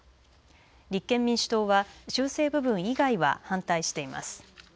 立憲民主党は修正部分以外は反対しています。